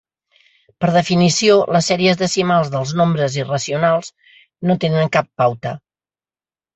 Per definició, les sèries decimals dels nombres irracionals no tenen cap pauta.